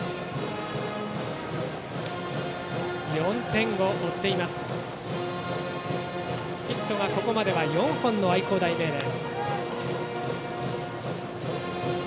４点を追っていますヒットがここまで４本の愛工大名電。